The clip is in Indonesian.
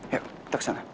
yuk kita ke sana